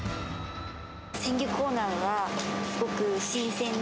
鮮魚コーナーがすごく新鮮で。